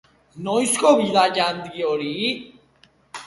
Noizko bidaia handi hori?